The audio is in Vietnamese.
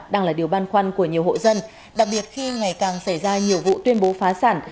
đang là điều băn khoăn của nhiều hộ dân đặc biệt khi ngày càng xảy ra nhiều vụ tuyên bố phá sản